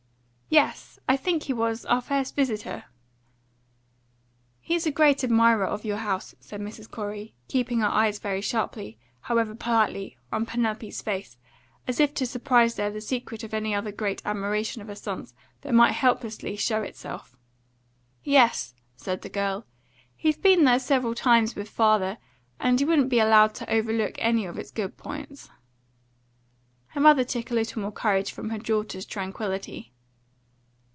"Yes, I think he was our first visitor." "He is a great admirer of your house," said Mrs. Corey, keeping her eyes very sharply, however politely, on Penelope's face, as if to surprise there the secret of any other great admiration of her son's that might helplessly show itself. "Yes," said the girl, "he's been there several times with father; and he wouldn't be allowed to overlook any of its good points." Her mother took a little more courage from her daughter's tranquillity.